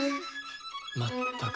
まったく。